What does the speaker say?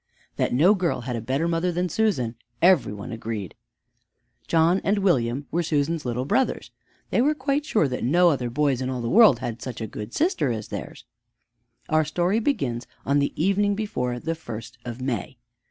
That no girl had a better mother than Susan, every one agreed. John and William were Susan's little brothers. They were quite sure that no other boys in all the world had such a good sister as theirs. Our story begins on the evening before the first of May.